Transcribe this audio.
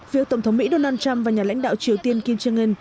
việc tổng thống mỹ donald trump và nhà lãnh đạo triều tiên kim jong un